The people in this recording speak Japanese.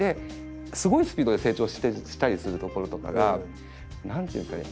すごいスピードで成長したりするところとかが何ていうんですかね